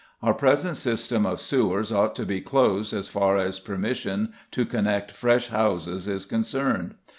Our present system of sewers ought to be closed as far as permission to connect fresh houses is concerned.